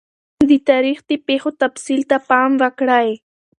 د تاریخ د پیښو تفصیل ته پام وکړئ.